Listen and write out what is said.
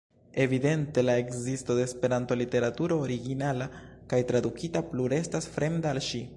Evidente la ekzisto de Esperanto-literaturo, originala kaj tradukita, plu restas fremda al ŝi.